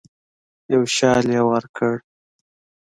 یو شال یې ورکړ.